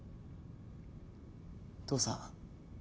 父さん。